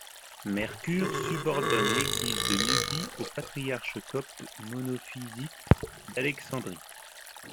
Mercure subordonne l'Église de Nubie au patriarche copte monophysite d'Alexandrie.